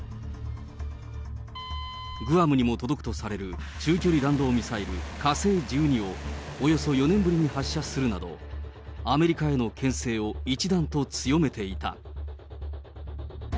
グアムにも届くとされる中距離弾道ミサイル火星１２を、およそ４年ぶりに発射するなど、アメリカへのけん制を一段と強めていた。